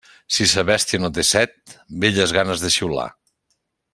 Si sa bèstia no té set, belles ganes de xiular.